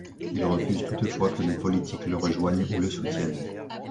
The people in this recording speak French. Il refuse toutefois que les politiques le rejoignent ou le soutiennent.